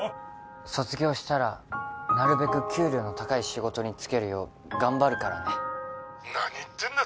卒業したらなるべく給料の高い仕事に就けるよう頑張るからね☎何言ってんだ